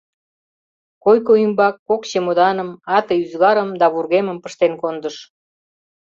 Койко ӱмбак кок чемоданым, ате-ӱзгарым да вургемым пыштен кондыш.